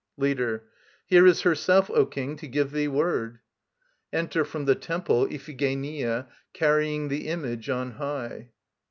LEADER. Here is herself, O King, to give thee word. enter, from the temple, IPHIGENIA, carrying the image on high.